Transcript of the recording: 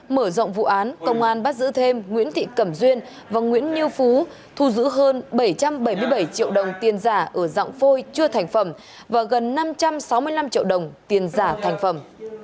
mở rộng vụ án công an bắt giữ thêm nguyễn thị cẩm duyên và nguyễn như phú thu giữ hơn bảy trăm bảy mươi bảy triệu đồng tiền giả ở dạng phôi chưa thành phẩm và gần năm trăm sáu mươi năm triệu đồng tiền giả thành phẩm